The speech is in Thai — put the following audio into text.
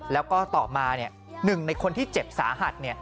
แล้วก็ต่อมา๑ในคนที่เจ็บสาหัส